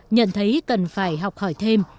nhận thấy cần phải học hỏi thêm